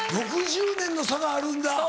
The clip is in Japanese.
６０年の差があるんだ。